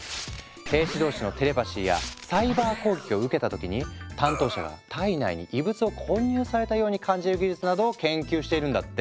兵士同士のテレパシーやサイバー攻撃を受けた時に担当者が体内に異物を混入されたように感じる技術などを研究しているんだって。